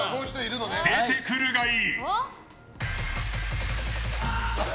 出てくるがいい！